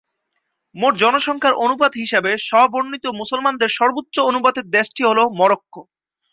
মোট জনসংখ্যার অনুপাত হিসাবে স্ব-বর্ণিত মুসলমানদের সর্বোচ্চ অনুপাতের দেশটি হল মরক্কো।